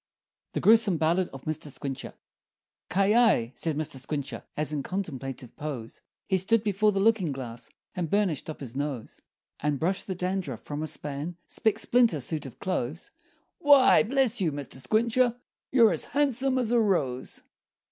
The Gruesome Ballad of Mr. Squincher "Ki yi!" said Mr. Squincher, As in contemplative pose, He stood before the looking glass And burnished up his nose, And brushed the dandruff from a span Spick splinter suit of clothes, "Why, bless you, Mr. Squincher, You're as handsome as a rose!"